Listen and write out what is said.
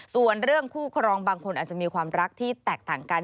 ส่วนเรื่องคู่ครองบางคนอาจจะมีความรักที่แตกต่างกัน